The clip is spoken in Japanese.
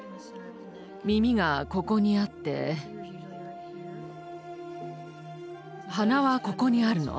耳がここにあって鼻はここにあるの。